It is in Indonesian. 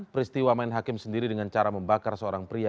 peristiwa main hakim sendiri dengan cara membakar seorang pria